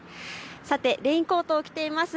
レインコートを着ています。